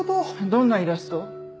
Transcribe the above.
どんなイラスト？